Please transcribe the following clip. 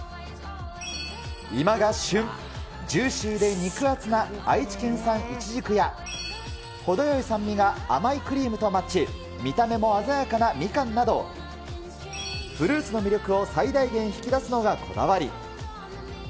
今が旬、ジューシーで肉厚な愛知県産いちじくや、程よい酸味が甘いクリームとマッチ、見た目も鮮やかなみかんなど、フルーツの魅力を最大限引き出すのがこだわり。